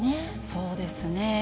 そうですね。